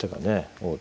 王手。